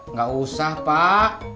nggak usah pak